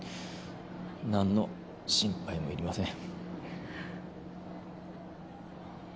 何の心配もいりません。